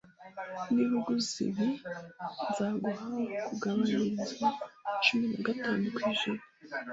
Niba uguze ibi, nzaguha kugabanyirizwa cumi na gatanu kwijana